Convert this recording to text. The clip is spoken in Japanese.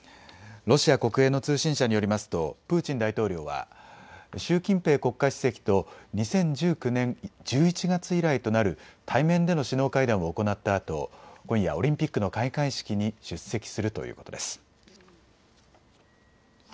ロシア国営の通信社によりますとプーチン大統領は習近平国家主席と２０１９年１１月以来となる対面での首脳会談を行ったあと今夜、オリンピックの開会式に出席するということです。